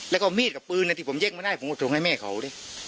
แล้วก็มีดกับปืนที่ผมแย่งมาได้ผมก็ส่งให้แม่เขาดิ